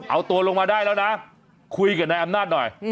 เอาตัวลงมาได้แล้วนะคุยกับนายอำนาจหน่อย